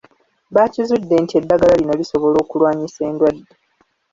Baakizudde nti eddagala lino lisobola okulwanyisa endwadde.